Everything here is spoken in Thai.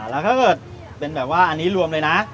แล้วถ้าเกิดเป็นแบบว่าอันนี้รวมเลยนะ